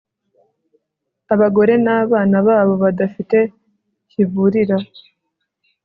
abagore n'abana babo badafite kivurira